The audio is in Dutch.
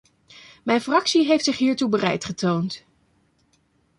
Mijn fractie heeft zich hiertoe bereid getoond.